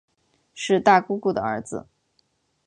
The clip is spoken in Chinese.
是大姑姑的儿子